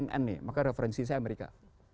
cnn nih maka referensi saya amerika